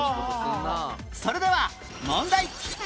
それでは問題